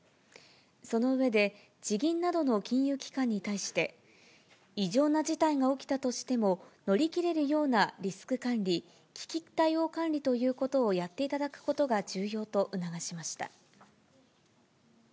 その上で、地銀などの金融機関に対して、異常な事態が起きたとしても、乗り切れるようなリスク管理、危機対応管理ということをやっていただくことが重要と促しました。